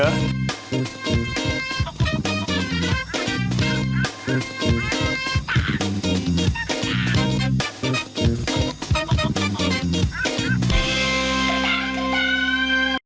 โปรดติดตามตอนต่อไป